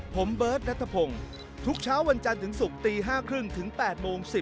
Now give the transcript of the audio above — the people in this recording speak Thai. ผมเบิร์ตนัทพงศ์ทุกเช้าวันจันทร์ถึงศุกร์ตี๕๓๐ถึง๘โมง๑๐